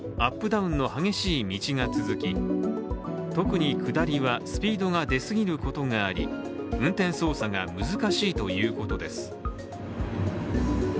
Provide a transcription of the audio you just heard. ダウンの激しい道が続き、特に下りはスピードが出すぎることがあり運転操作が難しいということです。